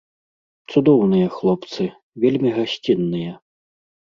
Цудоўныя хлопцы, вельмі гасцінныя.